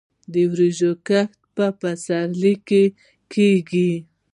د وریجو کښت په پسرلي کې کیږي.